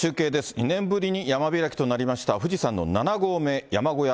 ２年ぶりに山開きとなりました、富士山の７合目、山小屋、